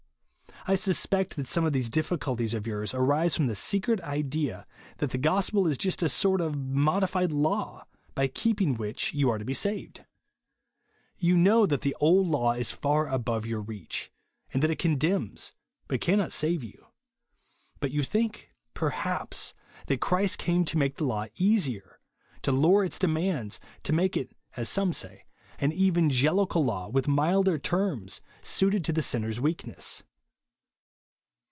I suspect that some of those difficulties of yours arise from the secret idea that the gospel is just a sort of modified hnu, by keeping which you are to be saved. Ycu Q 182 JESUS ONLY. know that the old law is far above your reach, and that it condemns, but cannot save you. But you think, perhaps, that Christ came to make the law easier, to lower its demands, to make it (as some say) an evangelical law, with milder terms, suited to the sinner's weakness.